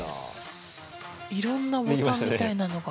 色んなボタンみたいなのが。